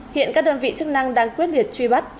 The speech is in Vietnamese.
hiện các đơn vị chức năng đang quyết liệt truy bắt